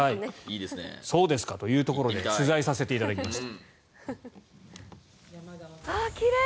そうですかというところで取材させていただきました。